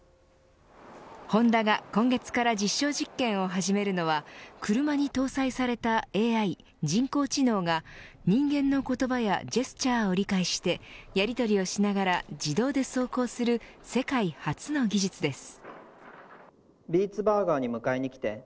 ホンダが今月から実証実験を始めるのは車に搭載されたＡＩ人工知能が人間の言葉やジェスチャーを理解してやりとりをしながら自動で走行する世界初の技術です。